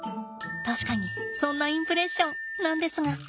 確かにそんなインプレッションなんですが。